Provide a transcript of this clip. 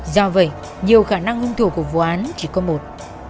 do vậy nhiều khả năng hung thủ của vụ án chỉ có một